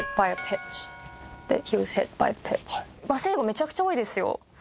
めちゃくちゃ多いですよ。